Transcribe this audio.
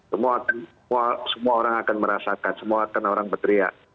semua orang akan merasakan semua akan orang berteriak